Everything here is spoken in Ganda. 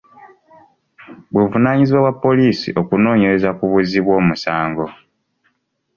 Buvunaanyizibwa bwa poliisi okunoonyereza ku buzzi bw'omusango.